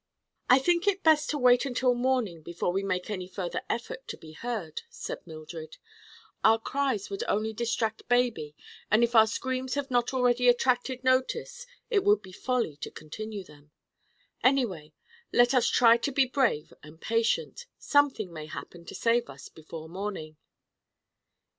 "I think it best to wait until morning before we make any further effort to be heard," said Mildred. "Our cries would only distract baby and if our screams have not already attracted notice it would be folly to continue them. Anyway, let us try to be brave and patient. Something may happen to save us, before morning."